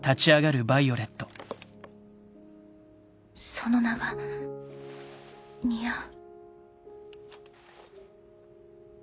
その名が似合う。